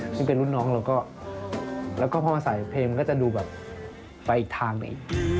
ที่เป็นรุ่นน้องเราก็แล้วก็พอมาสายเพลงมันก็จะดูแบบไปอีกทางหน่อย